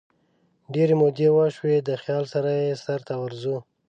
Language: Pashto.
ډیري مودې وشوي دخیال سره یې سرته ورځو